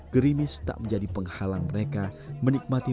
gerimis tak menjadi penghalang mereka menikmati